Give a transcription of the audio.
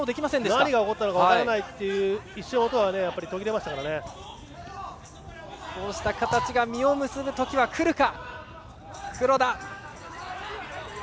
何が起こったか分からないというようにこうした形が実を結ぶときはくるか。